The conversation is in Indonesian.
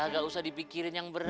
gak usah dipikirin yang berat